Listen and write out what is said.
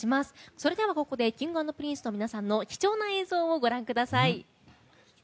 それではここでＫｉｎｇ＆Ｐｒｉｎｃｅの皆さんの貴重な映像をご覧ください。